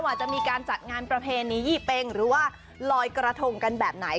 ว่าจะมีการจัดงานประเพณียี่เป็งหรือว่าลอยกระทงกันแบบไหน